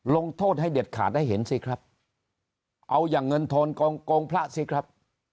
ลงโทษให้เด็ดขาดให้เห็นสิครับเอาอย่างเงินทอนกองโกงพระสิครับ